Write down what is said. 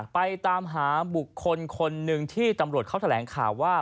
ไปตามหาบุคคลคนหนึ่งที่ตำรวจเขาแถลงข่าวว่า